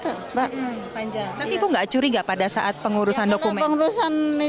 tapi ibu nggak curiga pada saat pengurusan dokumen